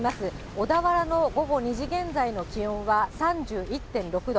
小田原の午後２時現在の気温は３１．６度。